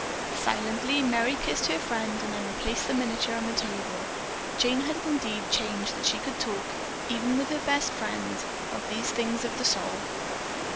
Silently Merry kissed her friend and then replaced the miniature on the table. Jane had indeed changed that she could talk, even with her best friend, of these things of the soul.